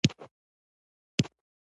د انارو د ونو ترمنځ فاصله څومره وي؟